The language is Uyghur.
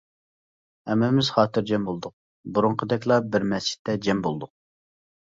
ھەممىمىز خاتىرجەم بولدۇق، بۇرۇنقىدەكلا بىر مەسچىتكە جەم بولدۇق.